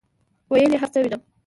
ویل هرڅه وینم،